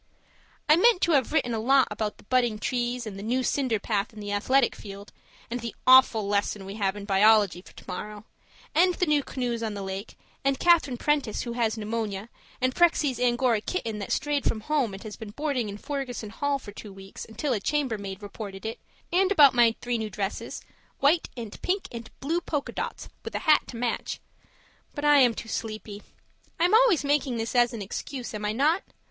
I meant to have written a lot about the budding trees and the new cinder path in the athletic field, and the awful lesson we have in biology for tomorrow, and the new canoes on the lake, and Catherine Prentiss who has pneumonia, and Prexy's Angora kitten that strayed from home and has been boarding in Fergussen Hall for two weeks until a chambermaid reported it, and about my three new dresses white and pink and blue polka dots with a hat to match but I am too sleepy. I am always making this an excuse, am I not?